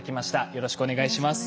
よろしくお願いします。